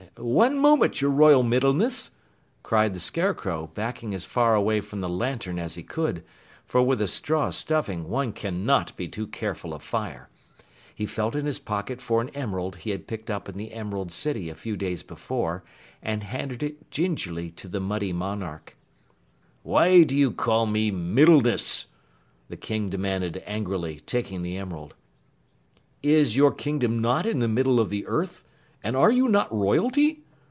"One moment, your Royal Middleness!" cried the Scarecrow, backing as far away from the lantern as he could, for with a straw stuffing one cannot be too careful of fire. He felt in his pocket for an emerald he had picked up in the Emerald City a few days before and handed it gingerly to the Muddy monarch. "Why do you call me Middleness?" the King demanded angrily, taking the emerald. "Is your kingdom not in the middle of the earth, and are you not royalty?